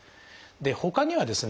ほかにはですね